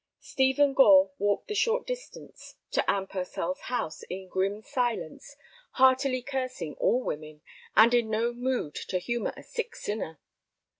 Stephen Gore walked the short distance to Anne Purcell's house in grim silence, heartily cursing all women, and in no mood to humor a sick sinner.